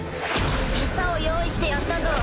餌を用意してやったぞ！